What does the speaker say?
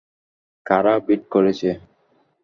কারা ভীড় করেছে?